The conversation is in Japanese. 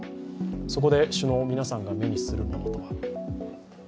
そこで首脳皆さんが目にするものとは。